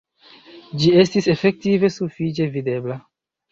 Ĝi estis efektive sufiĉe videbla.